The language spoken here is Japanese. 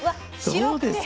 そうです。